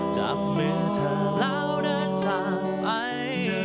จับมือเธอแล้วเดินทางไป